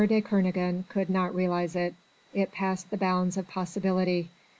de Kernogan could not realise it. It passed the bounds of possibility.